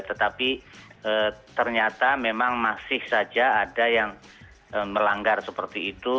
tetapi ternyata memang masih saja ada yang melanggar seperti itu